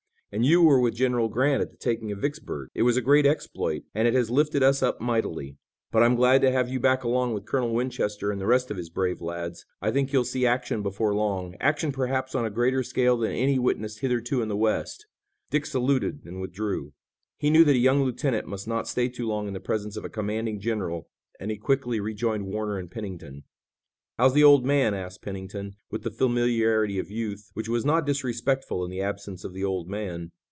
"And you were with General Grant at the taking of Vicksburg! It was a great exploit, and it has lifted us up mightily. But I'm glad to have you back along with Colonel Winchester and the rest of his brave lads. I think you'll see action before long, action perhaps on a greater scale than any witnessed hitherto in the West." Dick saluted and withdrew. He knew that a young lieutenant must not stay too long in the presence of a commanding general and he quickly rejoined Warner and Pennington. "How's the old man?" asked Pennington, with the familiarity of youth, which was not disrespectful in the absence of the "old man."